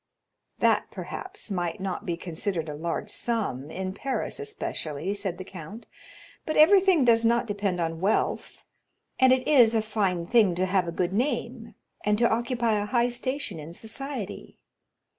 "That, perhaps, might not be considered a large sum, in Paris especially," said the count; "but everything does not depend on wealth, and it is a fine thing to have a good name, and to occupy a high station in society.